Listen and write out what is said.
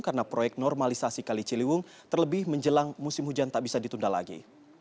karena proyek normalisasi kali ciliwung terlebih menjelang musim hujan tak bisa ditunda lagi